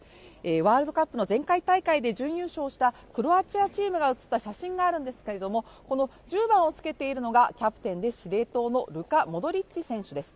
ワールドカップの前回大会で準優勝したクロアチアチームが写った写真があるんですけれども、この１０番をつけているのはキャプテンで司令塔のルカ・モドリッチ選手です。